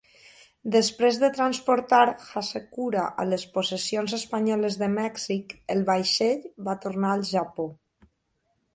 Després de transportar Hasekura a les possessions espanyoles de Mèxic, el vaixell va tornar al Japó.